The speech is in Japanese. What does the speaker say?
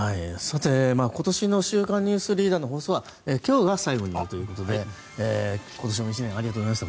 今年の「週刊ニュースリーダー」の放送は今日が最後になるということで今年１年もありがとうございました。